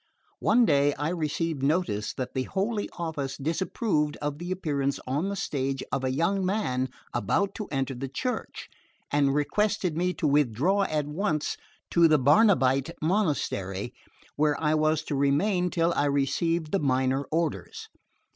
One day I received notice that the Holy Office disapproved of the appearance on the stage of a young man about to enter the Church, and requested me to withdraw at once to the Barnabite monastery, where I was to remain till I received the minor orders.